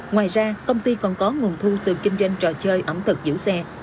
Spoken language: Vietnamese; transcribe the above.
ngoài ra công ty còn có nguồn thu từ kinh doanh trò chơi ẩm thực giữ xe